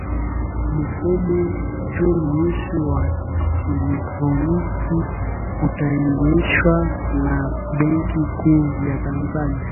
mfumo jumuishi wa kieletroniki utaendeshwa na benki kuu ya tanzania